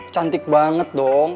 cantik banget dong